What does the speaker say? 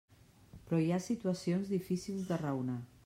Però hi ha situacions difícils de raonar.